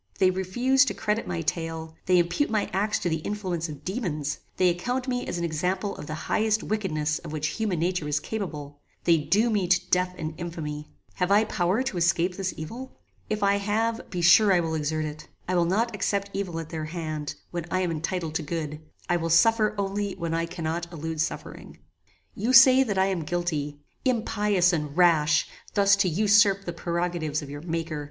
"They refuse to credit my tale; they impute my acts to the influence of daemons; they account me an example of the highest wickedness of which human nature is capable; they doom me to death and infamy. Have I power to escape this evil? If I have, be sure I will exert it. I will not accept evil at their hand, when I am entitled to good; I will suffer only when I cannot elude suffering. "You say that I am guilty. Impious and rash! thus to usurp the prerogatives of your Maker!